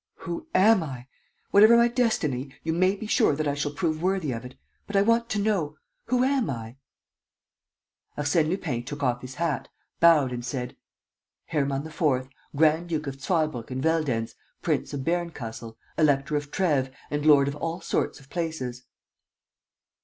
"Who am I? Whatever my destiny, you may be sure that I shall prove worthy of it. But I want to know. Who am I?" Arsène Lupin took off his hat, bowed and said: "Hermann IV., Grand duke of Zweibrucken Veldenz, Prince of Berncastel, Elector of Treves and lord of all sorts of places."